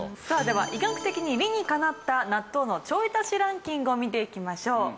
さあでは医学的に理にかなった納豆のちょい足しランキングを見ていきましょう。